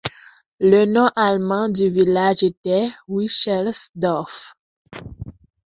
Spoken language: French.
Le nom allemand du village était Wichelsdorf.